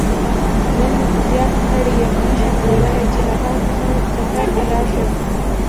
نن زيات ستړى يم نه شم کولاي چې له تاسو سره چکرته لاړ شم.